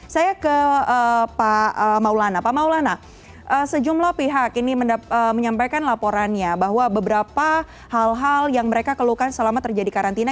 saya ke pak maulana pak maulana sejumlah pihak ini menyampaikan laporannya bahwa beberapa hal hal yang mereka keluhkan selama terjadi karantina